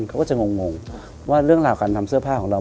เขาก็จะงงว่าเรื่องราวการทำเสื้อผ้าของเรา